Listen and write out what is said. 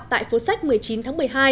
tại phố sách một mươi chín tháng một mươi hai